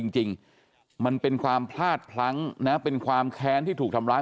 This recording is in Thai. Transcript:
จริงมันเป็นความพลาดพลั้งนะเป็นความแค้นที่ถูกทำร้าย